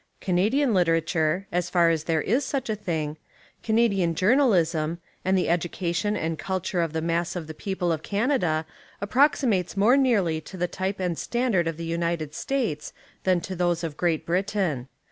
Canadian literature, — as far as there is such a thing, — Canadian journalism, and the education and culture of the mass of the peo ple of Canada approximates more nearly to the type and standard of the United States than to those of Great Britain.